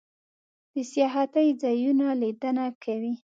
د سیاحتی ځایونو لیدنه کوئ؟